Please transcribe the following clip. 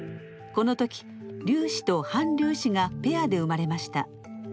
この時粒子と反粒子がペアで生まれました。